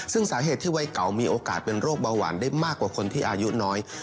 ซึ่งสาเหตุที่วัยเก่ามีโอกาสเป็นโรคเบาหวานได้มากกว่าคนที่อายุน้อย